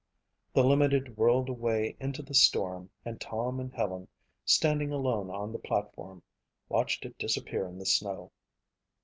The limited whirled away into the storm and Tom and Helen, standing alone on the platform, watched it disappear in the snow.